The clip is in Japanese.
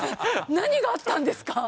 何があったんですか。